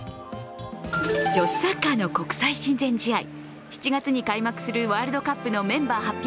女子サッカーの国際親善試合７月に開幕するワールドカップのメンバー発表